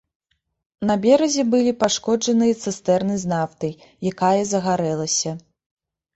На беразе былі пашкоджаныя цыстэрны з нафтай, якая загарэлася.